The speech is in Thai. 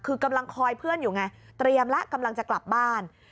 คือกำลังคอยเพื่อนอยู่ไงเตรียมแล้วกำลังจะกลับบ้าน